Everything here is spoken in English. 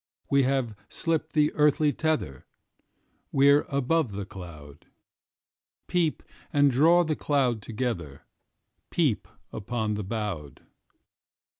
We have slipped the earthly tether, We're above the cloud. Peep and draw the cloud together, Peep upon the bowed.